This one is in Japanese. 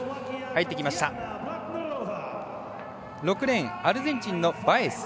６レーンアルゼンチンのバエス。